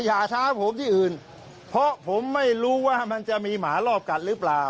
อย่าช้าผมที่อื่นเพราะผมไม่รู้ว่ามันจะมีหมารอบกัดหรือเปล่า